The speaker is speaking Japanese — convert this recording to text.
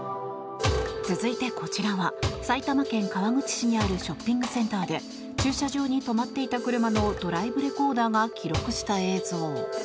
続いて、こちらは埼玉県川口市にあるショッピングセンターで駐車場に止まっていた車のドライブレコーダーが記録した映像。